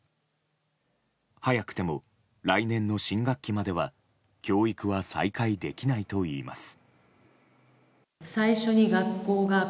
早くても来年の新学期までは教育は再開できないといいます。